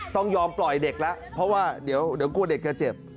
ต้องยอมปล่อยเด็กแล้วเพราะว่าเดี๋ยวกลัวเด็กจะเจ็บ